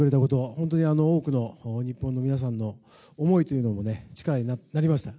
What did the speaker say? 本当に多くの日本の皆さんの思いというのも力になりました。